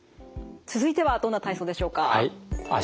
続いてはどんな体操でしょうか。